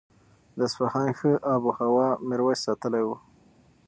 د اصفهان ښه آب و هوا میرویس ستایلې وه.